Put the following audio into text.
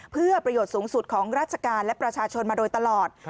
เพื่อประโยชน์สูงสุดของราชการและประชาชนมาโดยตลอด